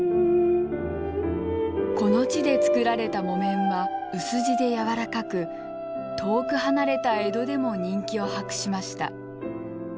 この地で作られた木綿は薄地で柔らかく遠く離れた江戸でも人気を博しました。